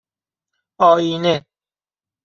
آئینه